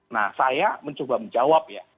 nah saya mencoba menjawab ya